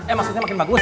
eh maksudnya makin bagus